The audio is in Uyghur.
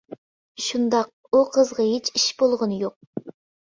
-شۇنداق، ئۇ قىزغا ھېچ ئىش بولغىنى يوق.